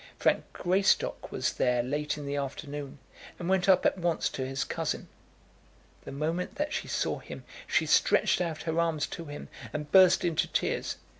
Frank Greystock was there late in the afternoon, and went up at once to his cousin. The moment that she saw him she stretched out her arms to him, and burst into tears.